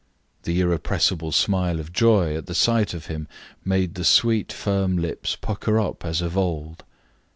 The irrepressible smile of joy at the sight of him made the sweet, firm lips pucker up as of old.